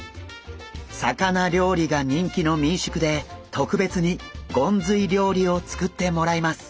魚料理が人気の民宿で特別にゴンズイ料理を作ってもらいます。